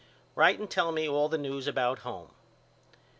Write and tell me all the news about home.